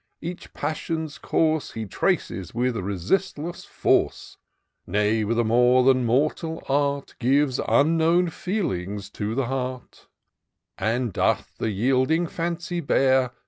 Each passion's course He traces with resistless force ; Nay, with a more than mortal art, Gives unknown feelings to the heart ; And doth the yielding fancy bear.